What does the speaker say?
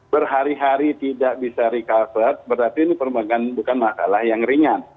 berhari hari tidak bisa recover berarti ini perbankan bukan masalah yang ringan